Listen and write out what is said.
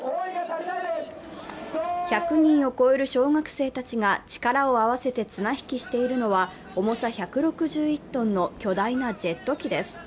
１００人を超える小学生たちが力を合わせて綱引きしているのは重さ１６１ｔの巨大なジェット機です。